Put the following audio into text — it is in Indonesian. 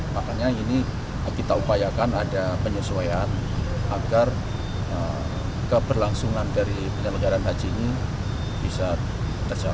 makanya ini kita upayakan ada penyesuaian agar keberlangsungan dari penyelenggaran haji ini bisa tercapai